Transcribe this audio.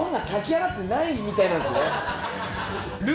みたいなんですよね。